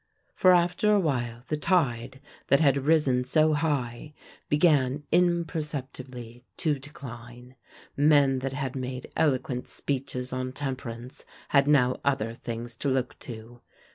For after a while the tide that had risen so high began imperceptibly to decline. Men that had made eloquent speeches on temperance had now other things to look to.